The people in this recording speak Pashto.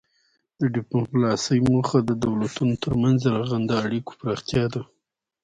د ډیپلوماسي موخه د دولتونو ترمنځ د رغنده اړیکو پراختیا ده